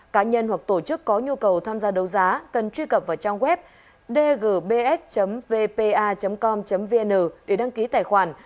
cá nhân hoặc tổ chức có nhu cầu tham gia đấu giá cần truy cập vào trang web dgbs vpa com vn để đăng ký tài khoản